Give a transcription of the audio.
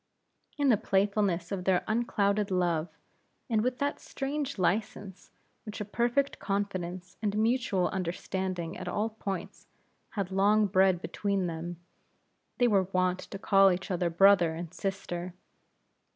In the playfulness of their unclouded love, and with that strange license which a perfect confidence and mutual understanding at all points, had long bred between them, they were wont to call each other brother and sister.